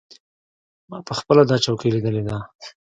ما پخپله دا چوکۍ لیدلې ده.